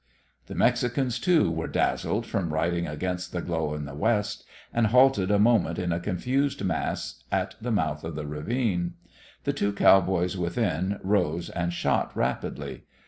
The Mexicans, too, were dazzled from riding against the glow in the west, and halted a moment in a confused mass at the mouth of the ravine. The two cowboys within rose and shot rapidly.